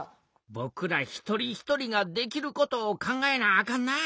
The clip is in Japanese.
ぼくら一人一人ができることを考えなあかんな。